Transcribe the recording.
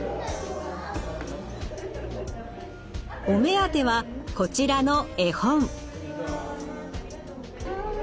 お目当てはこちらの絵本。